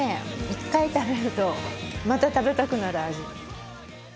１回食べるとまた食べたくなる味。